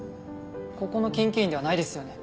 ここの研究員ではないですよね？